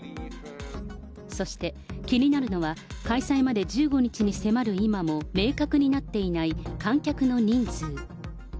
そして、気になるのは、開催まで１５日に迫る今も明確になっていない観客の人数。